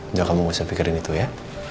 enggak kamu gak usah pikirin itu ya